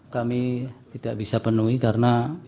kami tidak bisa penuhi karena